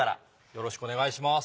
よろしくお願いします。